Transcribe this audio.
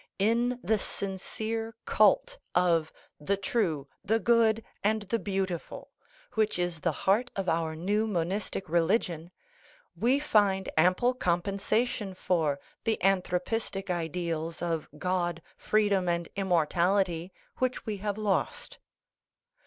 In the sincere cult of " the true, the good, and the beauti ful," which is the heart of our new monistic religion, we find ample compensation for the anthropistic ideals of "God, freedom, and immortality" which we have lost.